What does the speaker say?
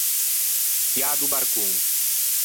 Tiâ do barcon.